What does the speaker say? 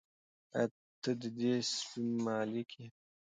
آیا ته د دې سپي مالیک یې؟